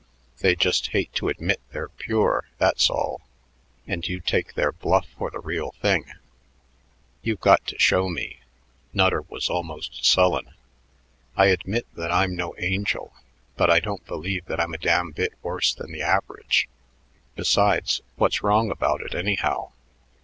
They just hate to admit they're pure, that's all; and you take their bluff for the real thing." "You've got to show me." Nutter was almost sullen. "I admit that I'm no angel, but I don't believe that I'm a damn bit worse than the average. Besides, what's wrong about it, anyhow?